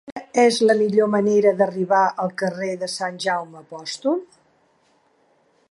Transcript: Quina és la millor manera d'arribar al carrer de Sant Jaume Apòstol?